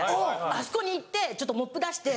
あそこに行ってモップ出して。